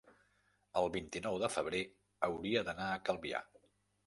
El vint-i-nou de febrer hauria d'anar a Calvià.